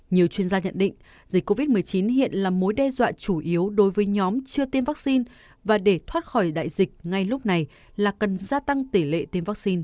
nhiều chuyên gia nhận định dịch covid một mươi chín hiện là mối đe dọa chủ yếu đối với nhóm chưa tiêm vaccine và để thoát khỏi đại dịch ngay lúc này là cần gia tăng tỷ lệ tiêm vaccine